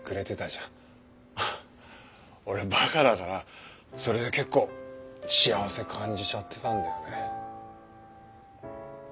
ハハッ俺バカだからそれで結構幸せ感じちゃってたんだよね。